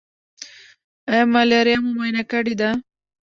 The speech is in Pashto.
ایا ملاریا مو معاینه کړې ده؟